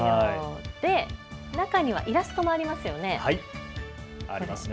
中にはイラストもありますよね。